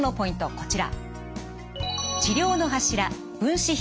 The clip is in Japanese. こちら。